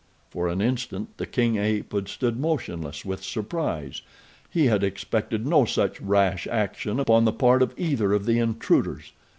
For an instant the king ape had stood motionless with surprise. He had expected no such rash action upon the part of either of the intruders.